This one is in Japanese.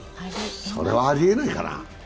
それはありえないかな。